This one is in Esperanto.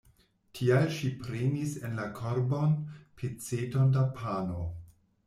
Tial ŝi prenis en la korbon peceton da pano.